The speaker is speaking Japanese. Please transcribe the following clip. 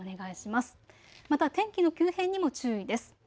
また天気の急変にも注意です。